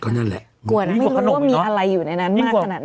กว่านั้นไม่รู้ว่ามีอะไรอยู่ในนั้นมากขนาดไหน